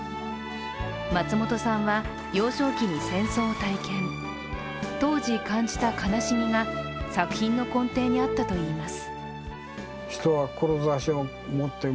松本さんは、幼少期に戦争を体験、当時感じた悲しみが、作品の根底にあったといいます。